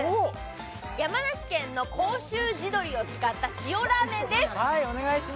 山梨県の甲州地どりを使った塩ラーメンです。